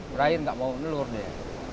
berair enggak mau telur dia